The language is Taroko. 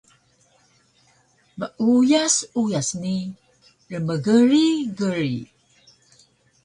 Meuyas uyas ni rmgrig grig